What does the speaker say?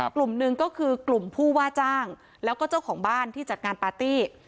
กลุ่มหนึ่งก็คือกลุ่มผู้ว่าจ้างแล้วก็เจ้าของบ้านที่จัดงานปาร์ตี้